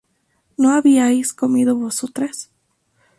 ¿no habíais comido vosotras?